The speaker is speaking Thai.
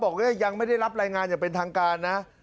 ยังไม่ได้รับรายงานอย่างเป็นทางการนะ